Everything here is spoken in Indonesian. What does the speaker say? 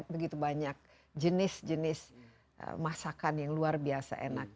begitu banyak jenis jenis masakan yang luar biasa enak